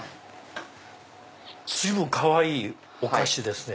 随分かわいいお菓子ですね。